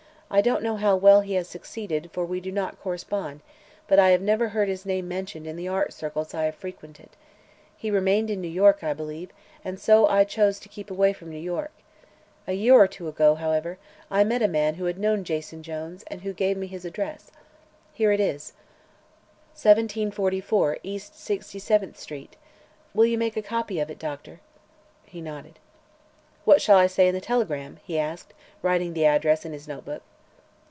I don't know how well he has succeeded, for we do not correspond, but I have never heard his name mentioned in the art circles I have frequented. He remained in New York, I believe, and so I chose to keep away from New York. A year or two ago, however, I met a man who had known Jason Jones and who gave me his address. Here it is: 1744 East Sixty seventh street. Will you make a copy of it, Doctor?" He nodded. "What shall I say in the telegram?" he asked, writing the address in his notebook.